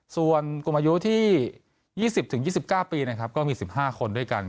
ส่วนกลุ่มอายุที่๒๐๒๙ปีนะครับก็มี๑๕คนด้วยกัน